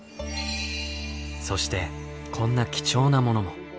そしてこんな貴重なものも。